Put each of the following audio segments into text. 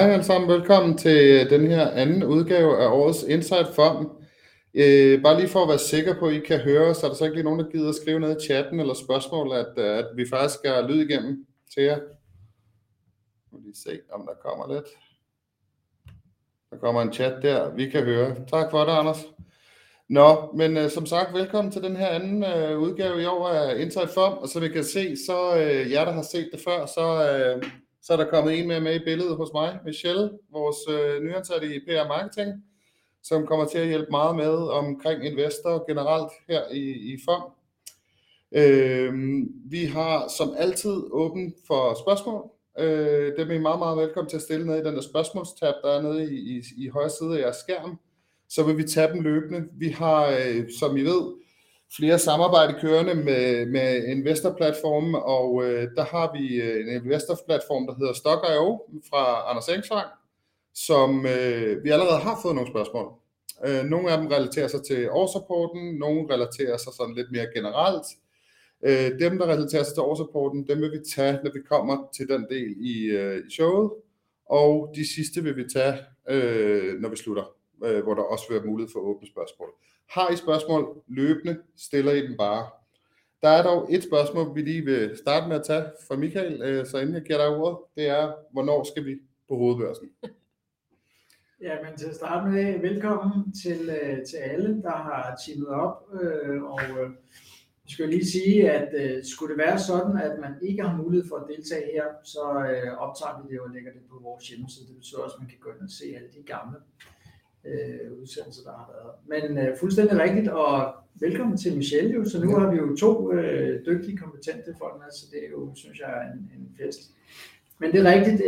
Hej allesammen. Velkommen til den her anden udgave af årets Inside FOM. Bare lige for at være sikker på, at I kan høre os. Er der så ikke lige nogen, der gider skrive nede i chatten eller spørgsmål, at vi faktisk kan høre lyd igennem til jer? Nu li ge se, om der kommer lidt. Der kommer en chat der. Vi kan høre. Tak for det Anders. Nå, men som sagt velkommen til den her anden udgave i år af Inside FOM. Som I kan se, så jer der har set det før, så er der kommet en mere med i billedet hos mig. Michelle, vores nyansatte i PR og marketing, som kommer til at hjælpe meget med omkring investorer generelt her i FOM. Vi har som altid åbent for spørgsmål. Dem er I meget velkommen til at stille nede i den der spørgsmålstab, der er nede i højre side af jeres skærm. Vi vil tage dem løbende. Vi har, som I ved, flere samarbejder kørende med investor platforms. Der har vi en investor platform, der hedder Stokk.io fra Anders Egsvang, som vi allerede har fået nogle spørgsmål. Nogle af dem relaterer sig til årsrapporten. Nogle relaterer sig sådan lidt mere generelt. Dem, der relaterer sig til årsrapporten. Dem vil vi tage, når vi kommer til den del i showet. De sidste vil vi tage, når vi slutter, hvor der også vil være mulighed for åbne spørgsmål. Har I spørgsmål løbende, stiller I dem bare. Der er dog et spørgsmål, vi lige vil starte med at tage for Michael. Inden jeg giver dig ordet, det er hvornår skal vi på hovedbørsen? Til at starte med velkommen til. Til alle der har tunet op. Jeg skal lige sige, at skulle det være sådan, at man ikke har mulighed for at deltage her, så optager vi det jo og lægger det på vores hjemmeside. Det vil så også man kan gå ind og se alle de gamle udsendelser der har været. Fuldstændig rigtigt. Velkommen til Michelle. Nu har vi jo to dygtige kompetente folk med, så det er jo synes jeg er en fest. Det er rigtigt.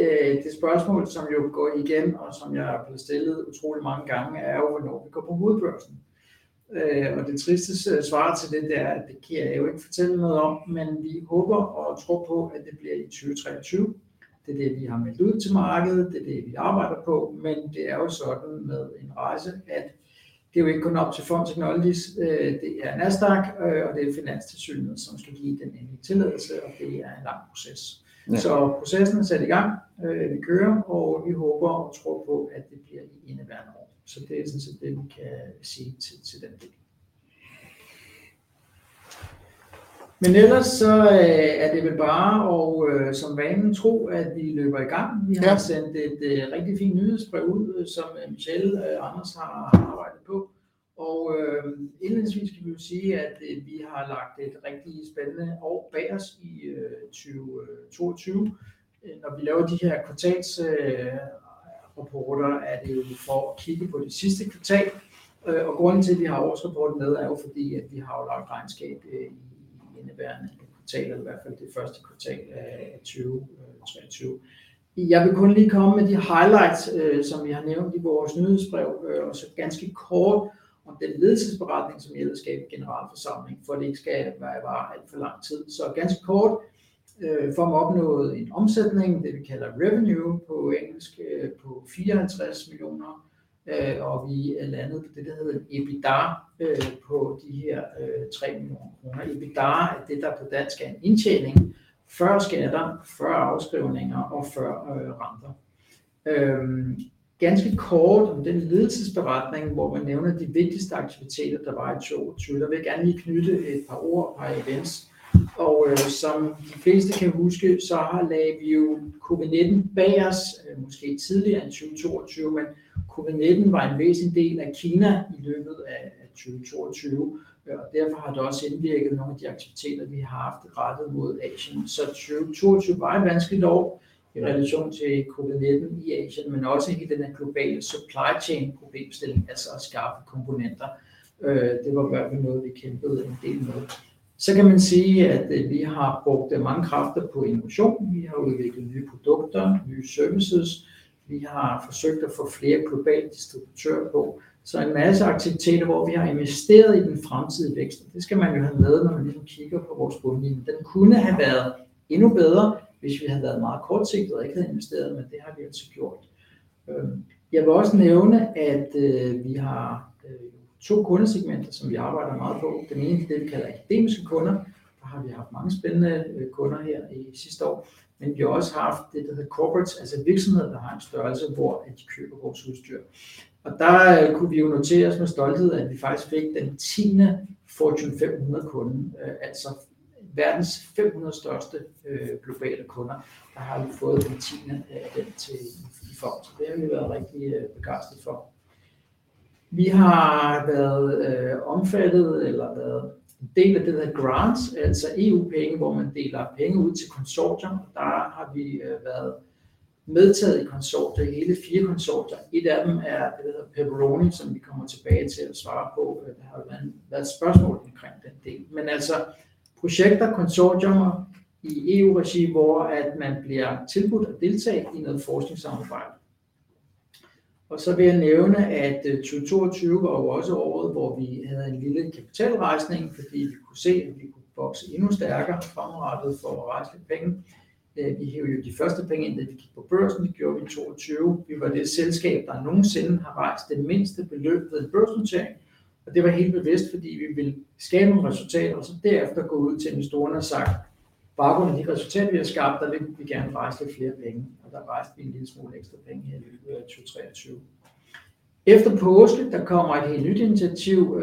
Det spørgsmål, som jo går igen, og som jeg er blevet stillet utroligt mange gange, er jo, hvornår vi går på hovedbørsen. Det triste svar til det er, at det kan jeg jo ikke fortælle noget om. Vi håber og tror på, at det bliver i 2023. Det er det, vi har meldt ud til markedet. Det er det, vi arbejder på. Det er jo sådan med en rejse, at det er jo ikke kun op til FOM Technologies. Det er Nasdaq, og det er Finanstilsynet, som skal give den endelige tilladelse. Det er en lang proces. Processen er sat i gang. Vi kører, og vi håber og tror på, at det bliver i indeværende år. Det er sådan set det, vi kan sige til den del. Ellers så er det vel bare og som vane tro, at vi løber i gang. Vi har sendt et rigtig fint nyhedsbrev ud, som Michelle og Anders har arbejdet på. Indledningsvis kan vi jo sige, at vi har lagt et rigtig spændende år bag os i 2022. Når vi laver de her kvartalsrapporter, er det jo for at kigge på det sidste kvartal. Grunden til at vi har årsrapporten med, er jo fordi at vi har lagt regnskab i indeværende kvartal eller i hvert fald det Q1 af 2023. Jeg vil kun lige komme med de highlights, som jeg nævnte i vores nyhedsbrev. Ganske kort om den ledelsesberetning, som jeg ellers gav i generalforsamlingen. For at det ikke skal vare alt for lang tid. Ganske kort FOM opnåede en omsætning. Det vi kalder revenue på engelsk på 54 million. Vi landede på det, der hedder en EBITDA på de her 3 million kroner. EBITDA er det, der på dansk er en indtjening før skatter, før afskrivninger og før renter. Ganske kort om den ledelsesberetning, hvor man nævner de vigtigste aktiviteter der var i 2022. Der vil jeg gerne lige knytte et par ord og et par events. Som de fleste kan huske, lagde vi jo COVID-19 bag os måske tidligere end i 2022. COVID-19 var en væsentlig del af Kina i løbet af 2022. Derfor har det også indvirket på nogle af de aktiviteter, vi har haft rettet mod Asien. 2022 var et vanskeligt år i relation til COVID-19 i Asien, også i den globale supply chain problemstilling, altså at skaffe komponenter. Det var virkelig noget, vi kæmpede en del med. Kan man sige, at vi har brugt mange kræfter på innovation. Vi har udviklet nye produkter, nye services. Vi har forsøgt at få flere globale distributører på. En masse aktiviteter, hvor vi har investeret i den fremtidige vækst. Det skal man jo have lavet. Når man kigger på vores bundlinje. Den kunne have været endnu bedre, hvis vi havde været meget kortsigtede og ikke havde investeret. Det har vi altså gjort. Jeg vil også nævne, at vi har two kundesegmenter, som vi arbejder meget på. Det ene er det, vi kalder akademiske kunder. Der har vi haft mange spændende kunder her i sidste år, men vi har også haft det, der hedder corporate, altså virksomheder, der har en størrelse, hvor de køber vores udstyr. Der kunne vi notere os med stolthed, at vi faktisk fik den 10th Fortune Global 500 kunde, altså verdens 500 største globale kunder. Der har vi fået den 10th af dem til i FOM, det har vi været rigtig begejstrede for. Vi har været omfattet eller været en del af det, der hedder Grants, altså EU penge, hvor man deler penge ud til konsortier. Der har vi været medtaget i konsortier i hele fire konsortier. Et af dem er det, der hedder PEPPERONI, som vi kommer tilbage til at svare på. Der har været spørgsmål omkring den del, altså projekter konsortier i EU regi, hvor at man bliver tilbudt at deltage i noget forskningssamarbejde. Så vil jeg nævne, at 2022 var jo også året, hvor vi havde en lille kapitalrejsning, fordi vi kunne se, at vi kunne vokse endnu stærkere fremadrettet for at rejse lidt penge. Vi hev jo de første penge ind, da vi gik på børsen. Det gjorde vi i 2022. Vi var det selskab, der nogensinde har rejst det mindste beløb ved en børsnotering, og det var helt bevidst, fordi vi ville skabe nogle resultater og så derefter gå ud til investorerne og sagt. Baggrund af de resultater vi har skabt, der vil vi gerne rejse lidt flere penge, og der rejste vi en lille smule ekstra penge her i løbet af 2023. Efter Påske der kommer et helt nyt initiativ.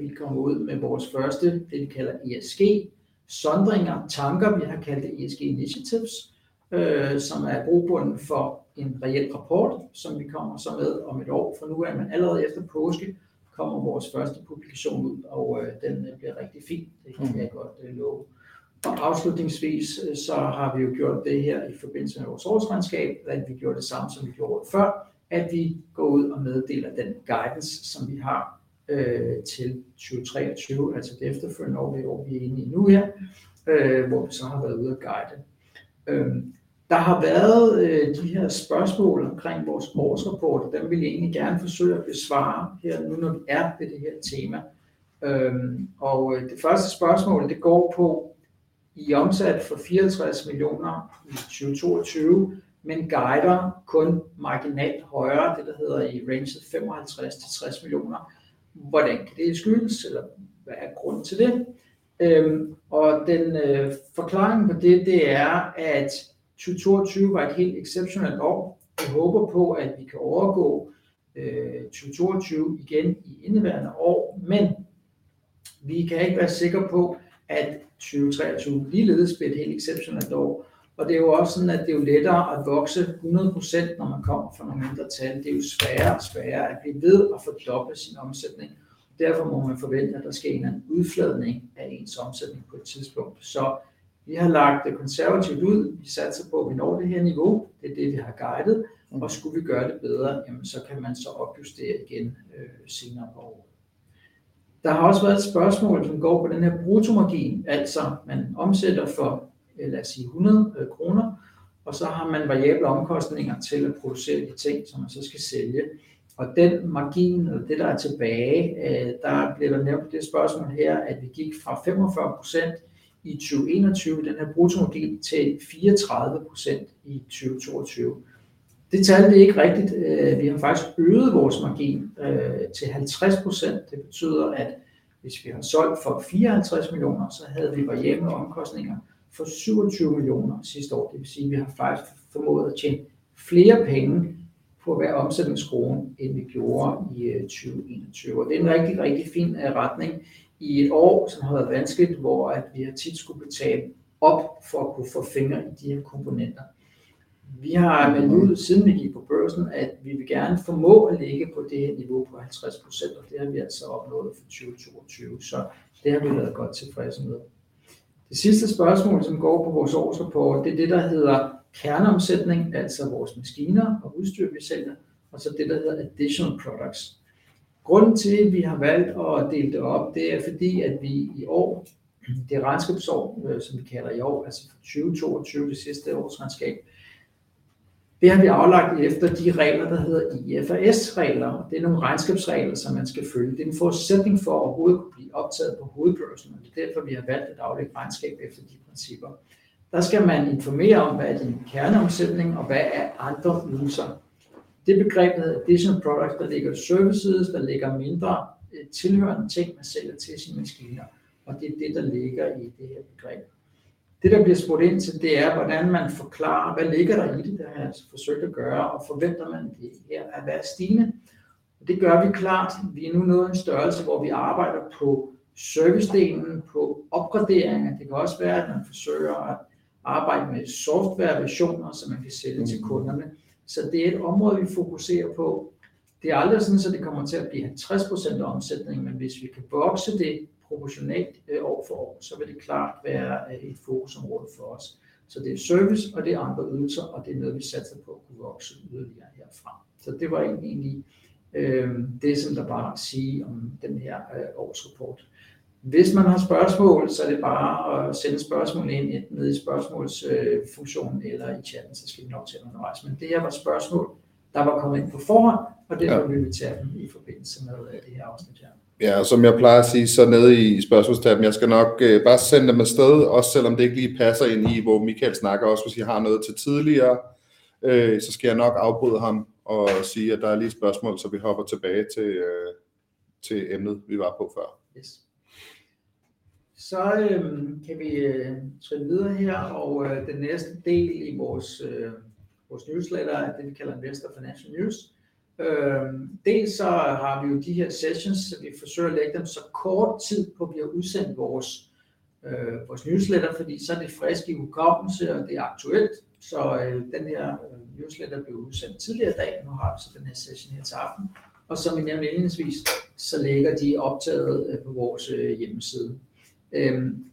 Vi kommer ud med vores første, det vi kalder ESG sondringer, tanker. Vi har kaldt det ESG Initiatives, som er brohoved for en reel rapport, som vi kommer med om et år. Nu er man allerede efter Påske kommer vores første publikation ud, og den bliver rigtig fin. Det kan jeg godt love. Afslutningsvis, så har vi jo gjort det her i forbindelse med vores årsregnskab, at vi gjorde det samme, som vi gjorde året før, at vi går ud og meddeler den guidance, som vi har til 2023. Altså det efterfølgende år, det år vi er inde i nu. Vi så har været ude og guide. Der har været de her spørgsmål omkring vores årsrapport, og dem vil jeg egentlig gerne forsøge at besvare her nu, når vi er ved det her tema. Det første spørgsmål går på i omsatte for 54 million i 2022, men guider kun marginalt højere. Det der hedder i rangen 55 million-60 million. Hvordan kan det skyldes, eller hvad er grunden til det? Den forklaring på det er, at 2022 var et helt exceptionelt år. Vi håber på, at vi kan overgå 2022 igen i indeværende år, men vi kan ikke være sikre på, at 2023 ligeledes bliver et helt exceptionelt år. Det er jo også sådan, at det er jo lettere at vokse 100%, når man kommer fra nogle mindre tal. Det er jo sværere og sværere at blive ved at fordoble sin omsætning. Derfor må man forvente, at der sker en eller anden udfladning af ens omsætning på et tidspunkt. Vi har lagt det konservativt ud. Vi satser på, at vi når det her niveau. Det er det, vi har guidet. Skulle vi gøre det bedre, jamen så kan man så opjustere igen senere på året. Der har også været et spørgsmål, som går på den her bruttomargin. Man omsætter for lad os sige 100 kroner, og så har man variable omkostninger til at producere de ting, som man så skal sælge. Den margin eller det der er tilbage, der bliver der nævnt i det spørgsmål her, at vi gik fra 45% i 2021. Den her bruttomargin til 34% i 2022. Det talte vi ikke rigtigt. Vi har faktisk øget vores margin til 50%. Det betyder, at hvis vi har solgt for 54 million DKK, så havde vi variable omkostninger for 27 million DKK sidste år. Det vil sige, at vi har faktisk formået at tjene flere penge på hver omsætningskrone, end vi gjorde i 2021. Det er en rigtig fin retning i et år, som har været vanskeligt, hvor vi tit skulle betale op for at kunne få fingre i de her komponenter. Vi har meldt ud, siden vi gik på børsen, at vi vil gerne formå at ligge på det her niveau på 50%. Det har vi altså opnået for 2022. Det har vi været godt tilfredse med. Det sidste spørgsmål, som går på vores årsrapport, det er det, der hedder kerneomsætning, altså vores maskiner og udstyr vi sælger. Det der hedder additional products. Grunden til vi har valgt at dele det op, det er fordi at vi i år, det regnskabsår som vi kalder i år, altså for 2022, det sidste årsregnskab. Det har vi aflagt efter de regler der hedder IFRS regler. Det er nogle regnskabsregler, som man skal følge. Det er en forudsætning for overhovedet at kunne blive optaget på hovedbørsen. Det er derfor vi har valgt at aflægge regnskab efter de principper. Der skal man informere om, hvad er din kerneomsætning, og hvad er andre ydelser. Det begreb der hedder additional products, der ligger services, der ligger mindre tilhørende ting, man sælger til sine maskiner, og det er det, der ligger i det her begreb. Det, der bliver spurgt ind til, det er, hvordan man forklarer, hvad ligger der i det har jeg altså forsøgt at gøre. Forventer man det her at være stigende? Det gør vi klart. Vi er nu nået en størrelse, hvor vi arbejder på servicedelen, på opgraderinger. Det kan også være, at man forsøger at arbejde med softwareversioner, som man kan sælge til kunderne. Det er et område, vi fokuserer på. Det er aldrig sådan, så det kommer til at blive 50% af omsætningen. Hvis vi kan vokse det proportionelt år for år, så vil det klart være et fokusområde for os. Det er service, og det er andre ydelser, og det er noget, vi satser på at kunne vokse yderligere herfra. Det var egentlig det, som der var at sige om den her årsrapport. Hvis man har spørgsmål, så er det bare at sende spørgsmålene ind enten nede i spørgsmålsfunktionen eller i chatten, så skal vi nok tage dem undervejs. Det her var spørgsmål, der var kommet ind på forhånd, og derfor besvarer vi dem i forbindelse med det her afsnit her. Som jeg plejer at sige, så nede i spørgsmålstabnen. Jeg skal nok bare sende dem afsted, også selvom det ikke lige passer ind i, hvor Michael snakker. Også hvis I har noget til tidligere, så skal jeg nok afbryde ham og sige, at der er lige et spørgsmål. Vi hopper tilbage til emnet vi var på før. Kan vi trille videre her, og den næste del i vores newsletter er det vi kalder Investor Financial News. Dels har vi jo de her sessions, vi forsøger at lægge dem så kort tid på vi har udsendt vores newsletter, fordi så er det frisk i hukommelsen, og det er aktuelt. Den her newsletter blev udsendt tidligere i dag. Nu har vi så den her session her til aften, og som I nær venligst vist, så ligger de optaget på vores hjemmeside.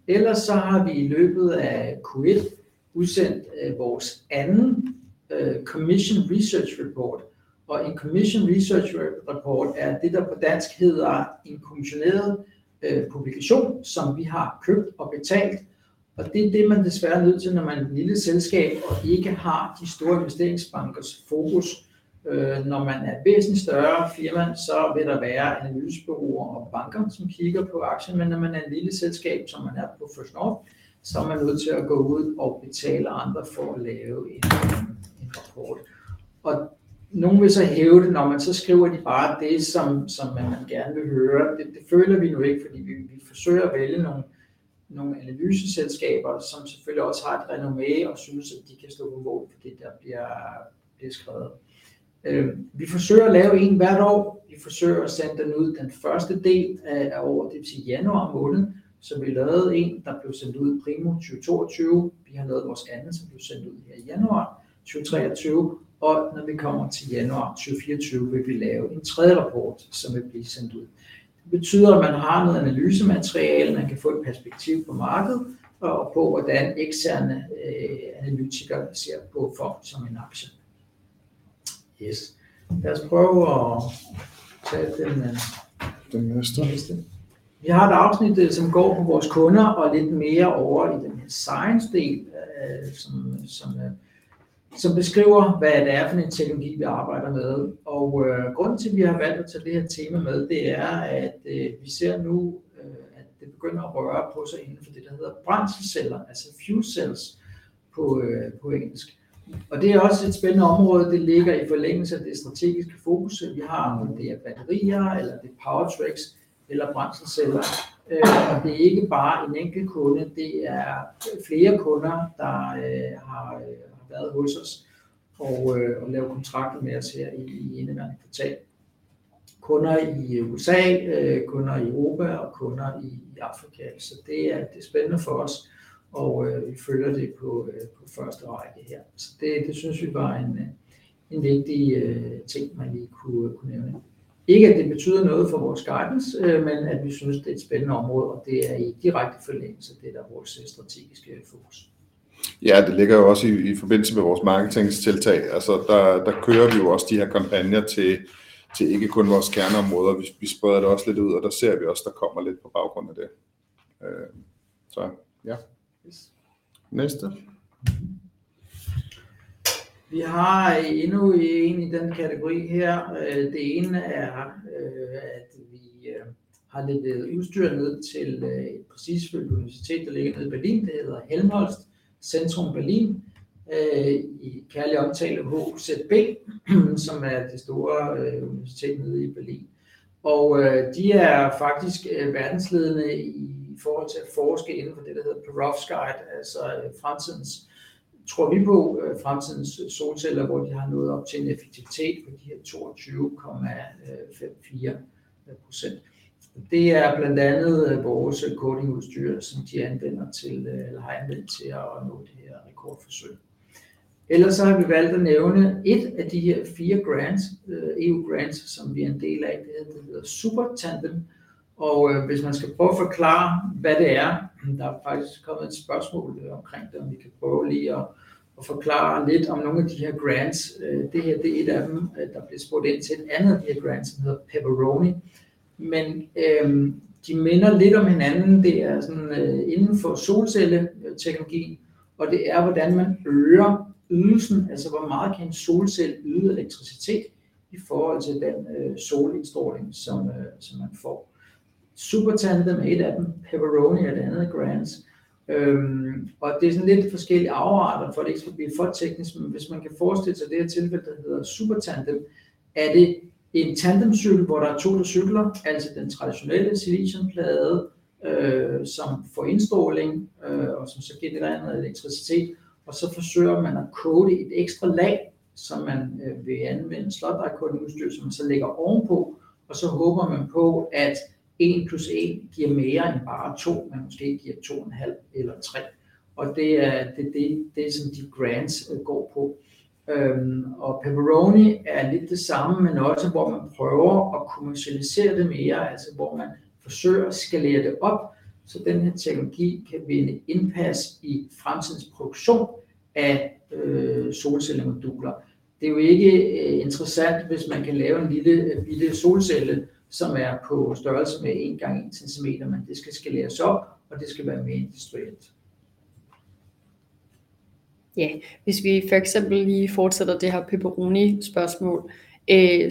Ellers har vi i løbet af Q1 udsendt vores anden Commissioned Research Report og en Commissioned Research Report er det, der på dansk hedder en kommissioneret publikation, som vi har købt og betalt. Det er det, man desværre er nødt til, når man er et lille selskab og ikke har de store investeringsbankers fokus. Når man er et væsentligt større firma, så vil der være analysebureauer og banker, som kigger på aktien. Når man er et lille selskab, som man er på Nasdaq First North, så er man nødt til at gå ud og betale andre for at lave en rapport. Nogle vil så hævde, når man så skriver de bare det, som man gerne vil høre. Det føler vi nu ikke, fordi vi forsøger at vælge nogle analyseselskaber, som selvfølgelig også har et renommé og synes, at de kan stå inde for det der bliver skrevet. Vi forsøger at lave en hvert år. Vi forsøger at sende den ud den første del af året, det vil sige januar måned, så vi lavede en, der blev sendt ud primo 2022. Vi har lavet vores anden, som blev sendt ud her i januar 2023, og når vi kommer til januar 2024, vil vi lave en tredje rapport, som vil blive sendt ud. Det betyder, at man har noget analyse materiale. Man kan få et perspektiv på markedet og på, hvordan eksterne analytikere ser på FOM som en aktie. Yes. Lad os prøve at tage den næste. Vi har et afsnit, som går på vores kunder og lidt mere ovre i den her science del, som beskriver hvad det er for en teknologi vi arbejder med. Grunden til at vi har valgt at tage det her tema med, det er, at vi ser nu, at det begynder at røre på sig inden for det der hedder brændselsceller, altså fuel cells på engelsk. Det er også et spændende område. Det ligger i forlængelse af det strategiske fokus, vi har. Om det er batterier eller det er Power-to-X eller fuel cells. Det er ikke bare en enkelt kunde, det er flere kunder, der har været hos os og lave kontrakter med os her i indledningen af kvartalet. Kunder i USA, kunder i Europa og kunder i Afrika. Det er spændende for os, og vi følger det på første række her. Det synes vi var en vigtig ting, man lige kunne nævne. Ikke at det betyder noget for vores guidance, men at vi synes det er et spændende område, og det er i direkte forlængelse af det, der er vores strategiske fokus. Det ligger jo også i forbindelse med vores marketing tiltag. Der kører vi jo også de her kampagner til til ikke kun vores kerneområder. Vi spreder det også lidt ud, og der ser vi også, at der kommer lidt på baggrund af det. Ja, næste. Vi har endnu en i den kategori her. Det ene er, at vi har leveret udstyr ned til et præcist universitet, der ligger nede i Berlin. Det hedder Helmholtz-Zentrum Berlin i kærlig omtale HZB, som er det store universitet nede i Berlin. De er faktisk verdensledende i forhold til at forske inden for det, der hedder perovskit, altså fremtidens, tror vi på fremtidens solceller, hvor de har nået op til en effektivitet på de her 22.4%. Det er blandt andet vores coating udstyr, som de anvender til eller har anvendt til at nå det her rekordforsøg. Ellers har vi valgt at nævne et af de fire grants EU grants, som vi er en del af. Det hedder SuPerTandem. Hvis man skal prøve at forklare, hvad det er. Der er faktisk kommet et spørgsmål omkring det, om vi kan prøve lige at forklare lidt om nogle af de her grants. Det her er et af dem, der bliver spurgt ind til et andet af de her grants, som hedder PEPPERONI. De minder lidt om hinanden. Det er sådan inden for solcelle teknologien, og det er hvordan man øger ydelsen. Altså hvor meget kan en solcelle yde elektricitet i forhold til den solindstråling, som man får. SuPerTandem er et af dem. PEPPERONI er det andet grant, og det er sådan lidt forskellige afarter. For at det ikke skal blive for teknisk, men hvis man kan forestille sig det her tilfælde, der hedder SuPerTandem, er det en tandem cykel, hvor der er to der cykler. Altså den traditionelle silicium plade, som får indstråling, og som så genererer noget elektricitet. Forsøger man at coate et ekstra lag, som man vil anvende slot-die coating udstyr, som man så lægger ovenpå. Håber man på at ét plus ét giver more than just to, but maybe gives to og en halv or tre. Det er det som de grants går på. PEPPERONI er lidt det samme, men også hvor man prøver at kommercialisere det mere, altså hvor man forsøger at skalere det op, så den her teknologi kan vinde indpas i fremtidens produktion af solcellemoduler. Det er jo ikke interessant, hvis man kan lave en lille bitte solcelle, som er på størrelse med 1 x 1 centimeter. Det skal skaleres op, og det skal være mere industrielt. Hvis vi for eksempel lige fortsætter det her PEPPERONI spørgsmål,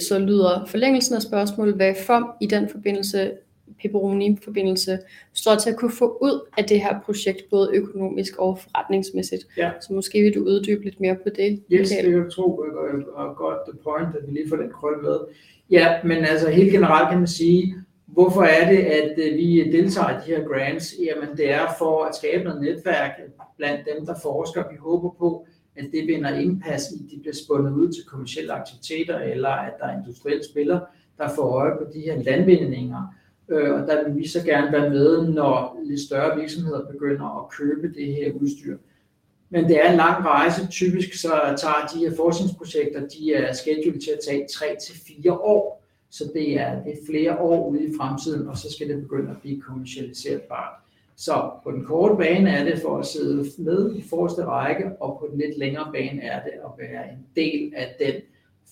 så lyder forlængelsen af spørgsmålet Hvad er FOM i den forbindelse PEPPERONI forbindelse står til at kunne få ud af det her projekt, både økonomisk og forretningsmæssigt. Måske vil du uddybe lidt mere på det Michael? Det kan du tro. Godt point at vi lige får den krølle med. Helt generelt kan man sige, hvorfor er det, at vi deltager i de her grants? Det er for at skabe noget netværk blandt dem, der forsker. Vi håber på, at det vinder indpas i de bliver spundet ud til kommercielle aktiviteter, eller at der er industrielle spillere, der får øje på de her landvindinger. Der vil vi så gerne være med, når lidt større virksomheder begynder at købe det her udstyr. Det er en lang rejse. Typisk tager de her forskningsprojekter. De er scheduled til at tage tre til fire år, så det er flere år ude i fremtiden. Det skal begynde at blive kommercialiserbart. På den korte bane er det for at sidde med i forreste række og på den lidt længere bane er det at være en del af den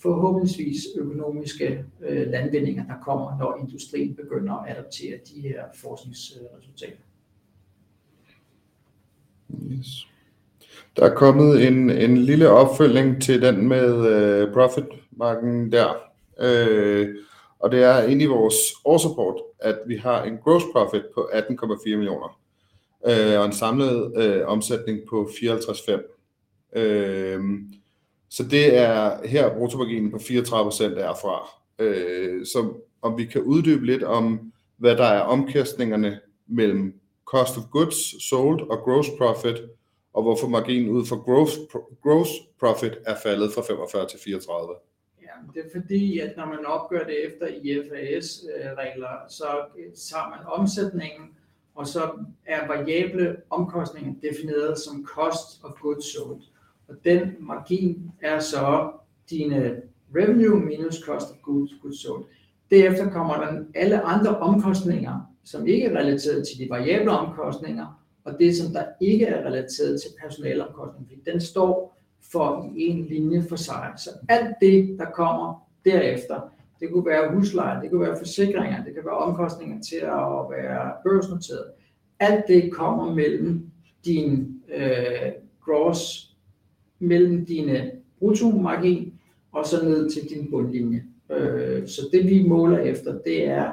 forhåbentligvis økonomiske landvindinger, der kommer, når industrien begynder at adoptere de her forskningsresultater. Der er kommet en lille opfølgning til den med profit margin der. Det er inde i vores årsrapport, at vi har en gross profit på 18.4 million. En samlet omsætning på 54.5. Det er her bruttomarginen på 34% er fra. Om vi kan uddybe lidt om, hvad der er omkostningerne mellem cost of goods sold og gross profit, og hvorfor marginen ud for gross profit er faldet fra 45% til 34%? Det er fordi, at når man opgør det efter IFRS regler, så tager man omsætningen, og så er variable omkostninger defineret som cost of goods sold, og den margin er så dine revenue minus cost of goods sold. Derefter kommer der alle andre omkostninger, som ikke er relateret til de variable omkostninger og det som der ikke er relateret til personaleomkostninger, fordi den står for en linje for sig. Alt det der kommer derefter, det kunne være husleje, det kunne være forsikringer, det kan være omkostninger til at være børsnoteret. Alt det kommer mellem din gross, mellem dine bruttomargin og så ned til din bundlinje. Det vi måler efter, det er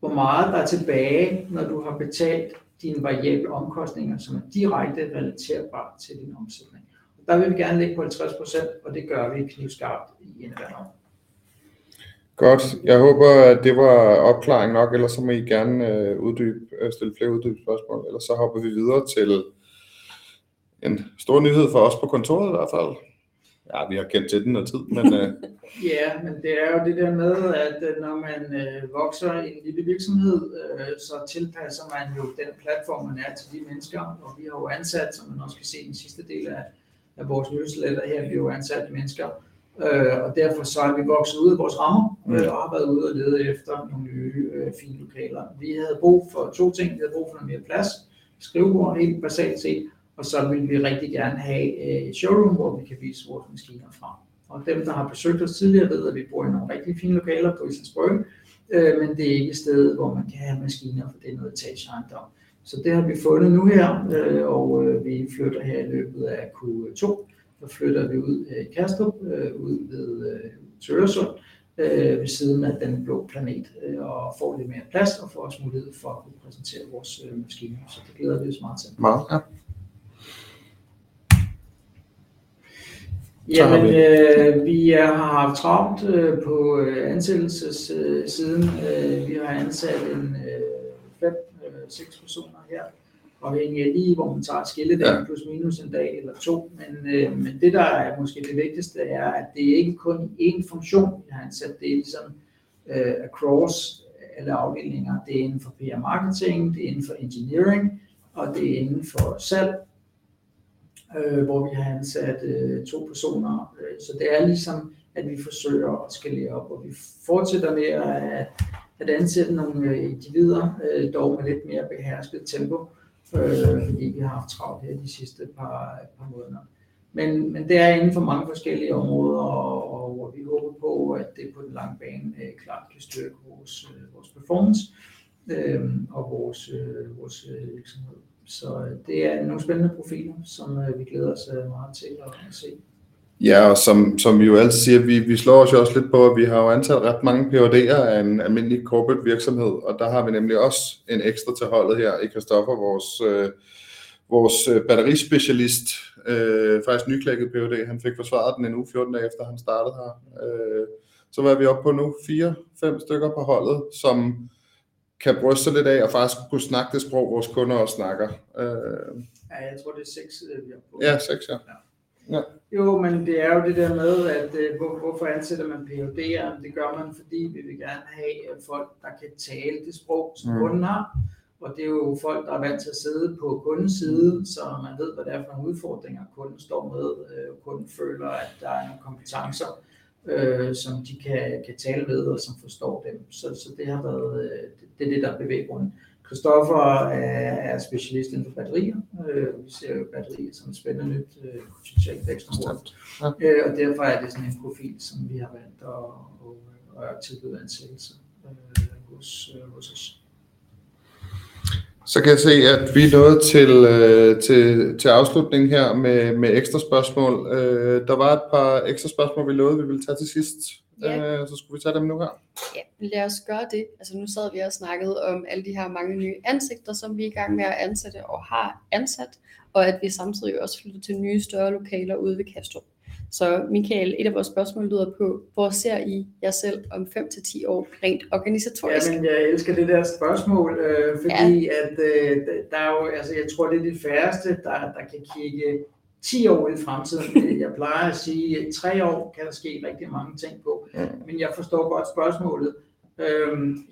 hvor meget der er tilbage, når du har betalt dine variable omkostninger, som er direkte relaterbart til din omsætning. Der vil vi gerne ligge på 50%, og det gør vi knivskarpt i indeværende år. Godt. Jeg håber, at det var opklaring nok, ellers må I gerne uddybe, stille flere uddybende spørgsmål. Ellers så hopper vi videre til en stor nyhed for os på kontoret i hvert fald. Vi har kendt til den noget tid, men. Det er jo det der med, at når man vokser i en lille virksomhed, så tilpasser man jo den platform man er til de mennesker. Vi har jo ansat, som man også kan se i den sidste del af vores nyhedsletter her. Vi har jo ansat mennesker, og derfor så er vi vokset ud af vores rammer og har været ude og lede efter nogle nye fine lokaler. Vi havde brug for two ting. Vi havde brug for noget mere plads, skriveborde helt basalt set. Så ville vi rigtig gerne have et showroom, hvor vi kan vise vores maskiner frem. Dem der har besøgt os tidligere ved, at vi bor i nogle rigtig fine lokaler på Islands Brygge. Det er ikke et sted, hvor man kan have maskiner, for det er en etageejendom. Det har vi fundet nu her, og vi flytter her i løbet af Q2. Flytter vi ud i Kastrup ude ved Øresund ved siden af Den Blå Planet og får lidt mere plads og får også mulighed for at kunne præsentere vores maskiner. Det glæder vi os meget til. Meget. Vi har haft travlt på ansættelsessiden. Vi har ansat fem, seks personer her, og det hænger lige hvor man tager skillelinjen plus minus en dag eller to. Det, der måske er det vigtigste, er, at det ikke kun er en funktion, vi har ansat. Det er ligesom across alle afdelinger. Det er inden for PR og marketing, det er inden for engineering, og det er inden for salg, hvor vi har ansat to personer. Det er ligesom, at vi forsøger at skalere op, og vi fortsætter med at ansætte nogle individer, dog med lidt mere behersket tempo, fordi vi har haft travlt her de sidste par måneder. Det er inden for mange forskellige områder, og vi håber på, at det på den lange bane klart vil styrke vores performance og vores virksomhed. Det er nogle spændende profiler, som vi glæder os meget til at se. Som vi jo altid siger, vi slår os jo også lidt på, at vi har jo ansat ret mange Ph.D.s af en almindelig corporate virksomhed. Der har vi nemlig også en ekstra til holdet her i Christopher, vores batterispecialist. Faktisk nyklækket Ph.D. Han fik forsvaret den one uge, 14 dage efter han startede her. Hvad er vi oppe på nu? fire, fem stykker på holdet, som kan bryste sig lidt af faktisk at kunne snakke det sprog, vores kunder også snakker. jeg tror det er seks, vi har på. Ja, seks ja. Det er jo det der med, at hvorfor ansætter man ph.d.er? Det gør man, fordi vi vil gerne have folk, der kan tale det sprog som kunderne. Det er jo folk, der er vant til at sidde på kundesiden, så man ved, hvad det er for nogle udfordringer, kunden står med. Kunden føler, at der er nogle kompetencer, som de kan tale med, og som forstår dem. Det er det, der er bevæggrunden. Christopher er specialist inden for batterier. Vi ser jo batterier som et spændende nyt potentielt vækstområde, og derfor er det sådan en profil, som vi har valgt at tilbyde ansættelse hos os. Jeg kan se, at vi er nået til afslutningen her med ekstra spørgsmål. Der var et par ekstra spørgsmål, vi lovede, vi ville tage til sidst. Vi skulle tage dem nu her. Ja, lad os gøre det. Nu sad vi og snakkede om alle de her mange nye ansigter, som vi er i gang med at ansætte og har ansat, og at vi samtidig også flytter til nye større lokaler ude ved Kastrup. Michael, et af vores spørgsmål lyder på: Hvor ser I jer selv om fem til 10 år rent organisatorisk? Jamen jeg elsker det der spørgsmål, fordi at der er jo, altså jeg tror, det er de færreste, der kan kigge 10 år ind i fremtiden. Jeg plejer at sige tre år kan der ske rigtig mange ting på. Jeg forstår godt spørgsmålet.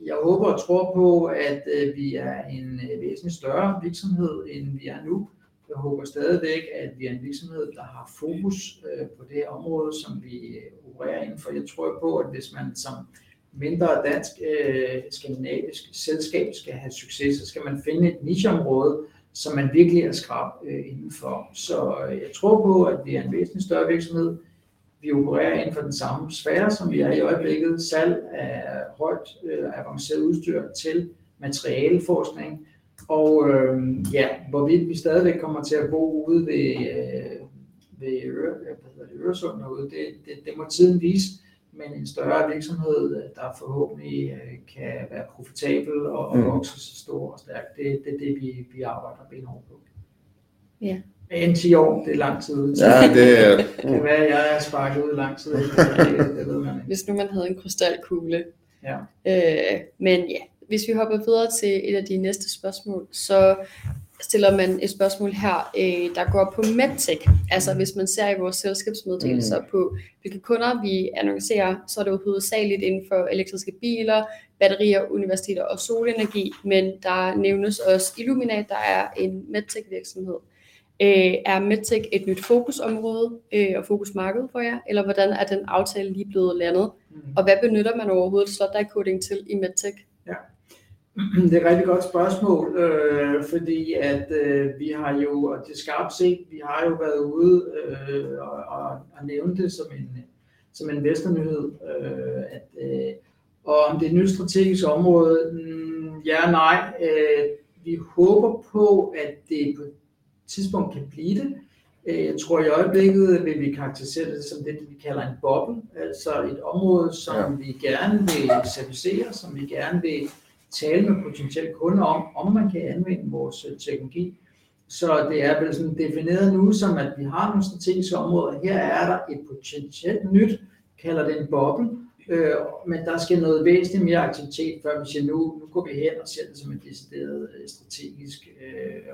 Jeg håber og tror på, at vi er en væsentligt større virksomhed, end vi er nu. Jeg håber stadigvæk, at vi er en virksomhed, der har fokus på det område, som vi opererer inden for. Jeg tror på, at hvis man som mindre dansk skandinavisk selskab skal have succes, så skal man finde et nicheområde, som man virkelig er skrap inden for. Jeg tror på, at vi er en væsentligt større virksomhed. Vi opererer inden for den samme sfære, som vi er i øjeblikket. Salg af højt avanceret udstyr til materialeforskning. Ja, hvorvidt vi stadigvæk kommer til at bo ude ved Øresund derude. Det må tiden vise. En større virksomhed, der forhåbentlig kan være profitabel og vokse sig stor og stærk. Det er det, vi arbejder benhårdt på. Ja, inden 10 år. Det er lang tid. Ja, det. Kan være. Jeg er sparket ud lang tid inden. Det ved man ikke. Hvis nu man havde en krystalkugle. Hvis vi hopper videre til et af de næste spørgsmål, så stiller man et spørgsmål her, der går på MedTech. Altså hvis man ser i vores selskabsmeddelelser på hvilke kunder vi annoncerer, så er det hovedsageligt inden for elektriske biler, batterier, universiteter og solenergi. Der nævnes også Illumina, der er en MedTech virksomhed, er MedTech et nyt fokusområde og fokus marked for jer? Hvordan er den aftale lige blevet landet? Hvad benytter man overhovedet slot-die coating til i MedTech? Det er et rigtig godt spørgsmål, fordi at vi har jo det skarpt. Se, vi har jo været ude og nævne det som en investor nyhed, at om det nye strategiske område ja og nej. Vi håber på, at det på et tidspunkt kan blive det. Jeg tror i øjeblikket vil vi karakterisere det som det, vi kalder en boble, altså et område, som vi gerne vil etablere, som vi gerne vil tale med potentielle kunder om man kan anvende vores teknologi. Det er vel defineret nu, som at vi har nogle strategiske områder. Her er der et potentielt nyt. Kalder det en boble, der skal noget væsentligt mere aktivitet før vi siger nu går vi hen og ser det som et decideret strategisk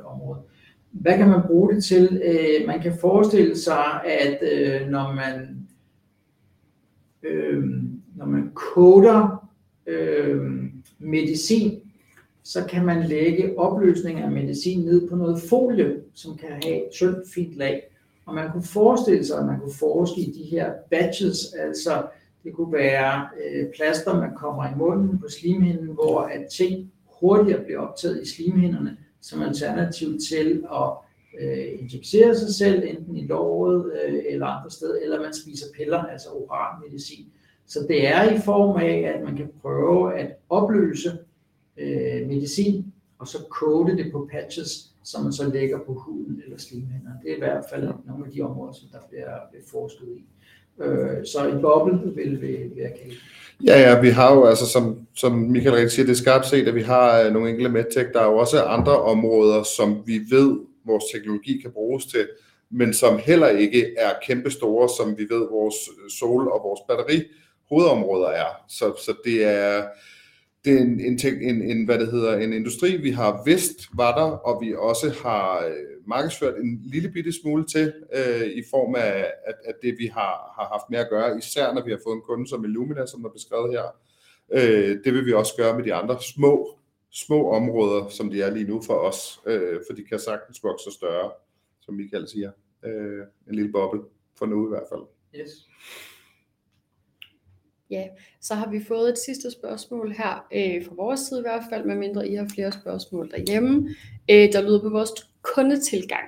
område. Hvad kan man bruge det til? Man kan forestille sig, at når man. Når man coater medicin, så kan man lægge opløsningen af medicin ned på noget folie, som kan have et tyndt fint lag, og man kunne forestille sig, at man kunne forstørre de her badges. Altså, det kunne være plastre, man kommer i munden på slimhinden, hvor ting hurtigere bliver optaget i slimhinderne som alternativ til at injicere sig selv enten i låret eller andre steder. Eller man spiser piller, altså oral medicin. Så det er i form af, at man kan prøve at opløse medicin og så coate det på patches, som man så lægger på huden eller slimhinderne. Det er i hvert fald nogle af de områder, som der bliver forsket i. Så en boble vil jeg kalde det. Som Michael siger det skarpt set, at vi har nogle enkelte MedTech. Der er også andre områder, som vi ved vores teknologi kan bruges til, men som heller ikke er kæmpestore, som vi ved vores sol og vores batteri hovedområder er. Det er en ting en hvad det hedder en industri vi har vidst var der, og vi også har markedsført en lillebitte smule til i form af at det vi har haft med at gøre, især når vi har fået en kunde som Illumina, som er beskrevet her. Det vil vi også gøre med de andre små områder, som de er lige nu for os, for de kan sagtens vokse sig større. Som Michael siger en lille boble. For nu i hvert fald. Yes. Ja, har vi fået et sidste spørgsmål her fra vores side i hvert fald. Medmindre I har flere spørgsmål derhjemme, der lyder på vores kundetilgang.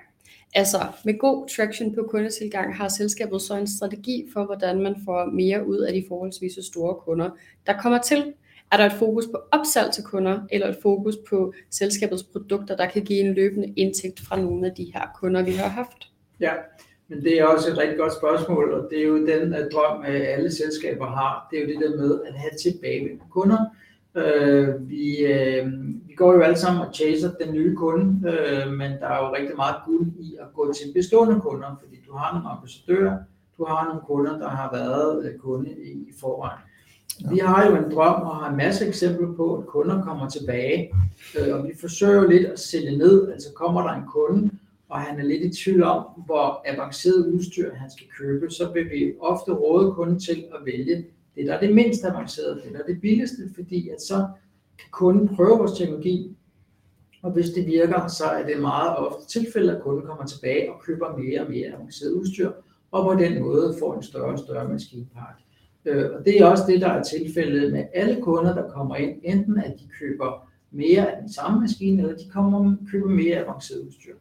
Altså med god traction på kundetilgang, har selskabet så en strategi for, hvordan man får mere ud af de forholdsvis store kunder, der kommer til? Er der et fokus på opsalg til kunder eller et fokus på selskabets produkter, der kan give en løbende indtægt fra nogle af de kunder, vi har haft? Ja. Det er også et rigtig godt spørgsmål, og det er jo den drøm, alle selskaber har. Det er jo det der med at have tilbagevendende kunder. Vi går jo alle sammen og chaser den nye kunde, men der er jo rigtig meget guld i at gå til de bestående kunder, fordi du har nogle ambassadører. Du har nogle kunder, der har været kunde i forvejen. Vi har jo en drøm og har en masse eksempler på, at kunder kommer tilbage, og vi forsøger lidt at sætte ned. Altså kommer der en kunde, og han er lidt i tvivl om, hvor avanceret udstyr han skal købe, så vil vi ofte råde kunden til at vælge det, der er det mindst avancerede. Det der er det billigste, fordi at så kan kunden prøve vores teknologi, og hvis det virker, så er det meget ofte tilfældet, at kunden kommer tilbage og køber mere og mere avanceret udstyr og på den måde får en større og større maskinpark. Det er også det, der er tilfældet med alle kunder, der kommer ind. Enten at de køber mere af den samme maskine, eller de kommer og køber mere avanceret udstyr.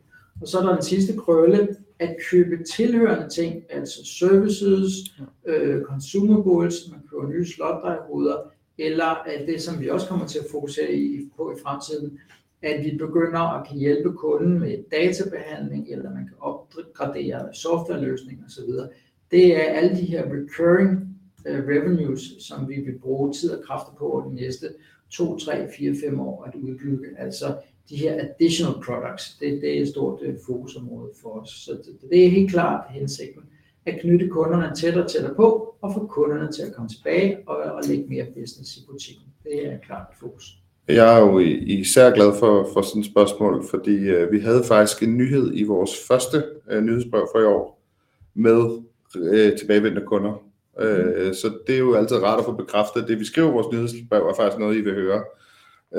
Så er der den sidste krølle at købe tilhørende ting, altså services consumer goods. Man køber nye slot-die heads eller alt det, som vi også kommer til at fokusere på i fremtiden. At vi begynder at kunne hjælpe kunden med databehandling, eller at man kan opgradere softwareløsninger og så videre. Det er alle de her recurring revenues, som vi vil bruge tid og kræfter på over de næste to, tre, fire, fem år at udbygge. Altså de her additional products. Det er et stort fokusområde for os, så det er helt klart hensigten at knytte kunderne tættere og tættere på og få kunderne til at komme tilbage og lægge mere business i butikken. Det er klart et fokus. Jeg er især glad for sådan et spørgsmål, fordi vi havde faktisk en nyhed i vores første nyhedsbrev for i år med tilbagevendende kunder, så det er jo altid rart at få bekræftet, at det vi skriver i vores nyhedsbreve er faktisk noget I vil høre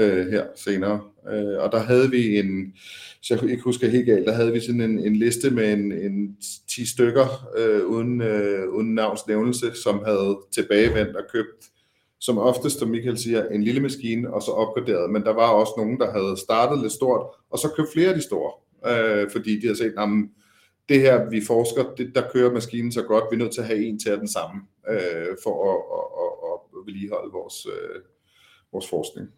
her senere. Der havde vi en. Hvis jeg ikke husker helt galt, der havde vi sådan en liste med 10 stykker uden navns nævnelse, som havde tilbagevendt og købt som oftest. Som Michael siger en lille maskine og så opgraderet. Der var også nogen der havde startet lidt stort og så købt flere af de store, fordi de har set det her. Vi forsker. Der kører maskinen så godt. Vi er nødt til at have en til af den samme for at vedligeholde vores forskning.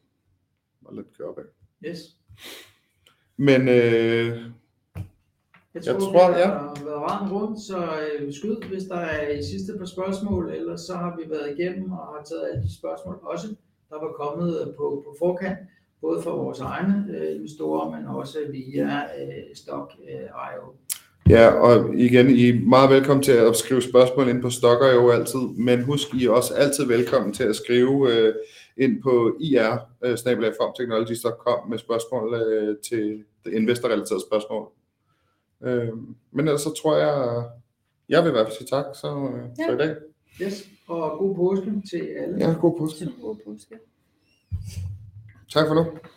Det var lidt kørebanen. Yes. Men. Jeg tror vi har været renden rundt, så skyd hvis der er et sidste par spørgsmål. Vi har været igennem og har taget alle de spørgsmål også der var kommet på forkant både fra vores egne investorer, men også via Stokk.io. Ja, igen I er meget velkommen til at skrive spørgsmål inde på Stokk.io altid. Husk I er også altid velkommen til at skrive ind på ir@fomtechnologies.com med spørgsmål til investor relaterede spørgsmål, ellers så tror jeg, at jeg vil i hvert fald sige tak for i dag. Yes. God påske til jer alle. God påske. God påske. Tak for lånet. Hej.